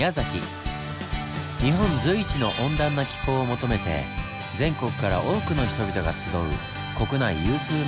日本随一の温暖な気候を求めて全国から多くの人々が集う国内有数の